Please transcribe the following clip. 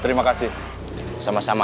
terima kasih sama sama